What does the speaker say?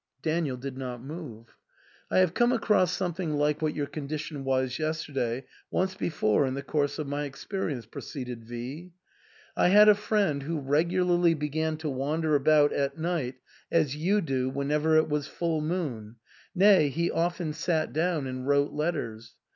Daniel did not move. " I have come across something like what your condition was yesterday once before in / the course of my experience," proceeded V ." I had a friend who regularly began to wander about at night as you do whenever it was full moon, — nay, he often sat down and wrote letters.